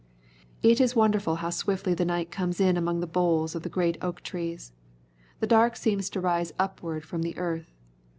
It is wonderful how swiftly the night comes in among the boles of the great oak trees. The dark seems to rise upward from the earth.